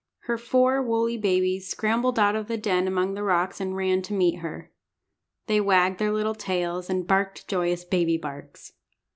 Her four woolly babies scrambled out of the den among the rocks, and ran to meet her. They wagged their little tails, and barked joyous baby barks.